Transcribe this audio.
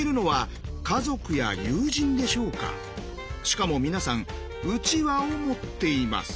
しかも皆さんうちわを持っています。